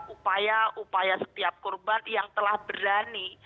upaya upaya setiap korban yang telah berani